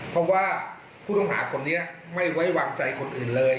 เพราะว่าผู้ต้องหาคนนี้ไม่ไว้วางใจคนอื่นเลย